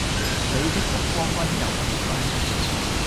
你的目光溫柔如水